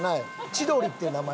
千鳥っていう名前。